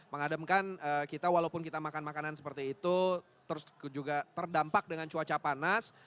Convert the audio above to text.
mengademkan kita walaupun kita makan makanan seperti itu terus juga terdampak dengan cuaca panas